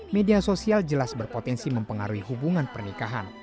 media sosial jelas berpotensi mempengaruhi hubungan pernikahan